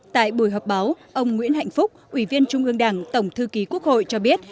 tại buổi họp báo ông nguyễn hạnh phúc ủy viên trung ương đảng tổng thư ký quốc hội cho biết